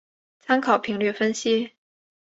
参考频率分析。